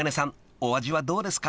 お味はどうですか？］